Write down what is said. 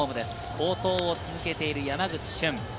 好投を続けている山口俊。